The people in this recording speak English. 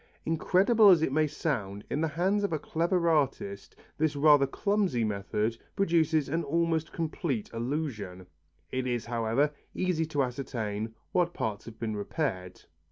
Incredible as it may sound, in the hands of a clever artist this rather clumsy method produces an almost complete illusion. It is, however, easy to ascertain what parts have been repaired.